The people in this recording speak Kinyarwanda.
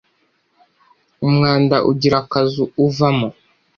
umwanda ugira akazu uvamo